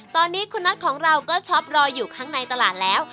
ตอนนี้คุณน็อตของเราก็ช็อปรออยู่ข้างในตลาดแล้ว